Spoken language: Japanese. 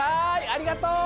ありがとう！